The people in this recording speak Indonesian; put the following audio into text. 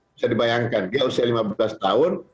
bisa dibayangkan dia usia lima belas tahun